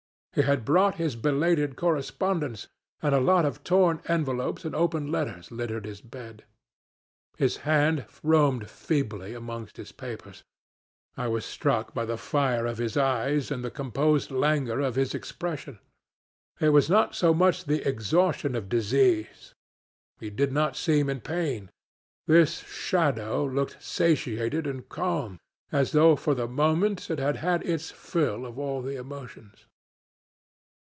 We had brought his belated correspondence, and a lot of torn envelopes and open letters littered his bed. His hand roamed feebly amongst these papers. I was struck by the fire of his eyes and the composed languor of his expression. It was not so much the exhaustion of disease. He did not seem in pain. This shadow looked satiated and calm, as though for the moment it had had its fill of all the emotions.